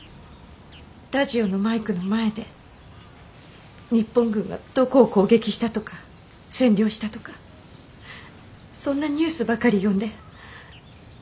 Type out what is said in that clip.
ラジオのマイクの前で日本軍がどこを攻撃したとか占領したとかそんなニュースばかり読んで。